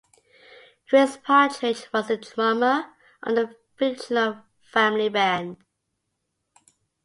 Chris Partridge was the drummer of the fictional family band.